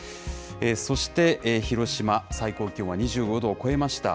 そして、広島、最高気温は２５度を超えました。